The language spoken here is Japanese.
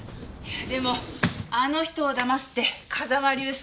でもあの人を騙すって風間隆介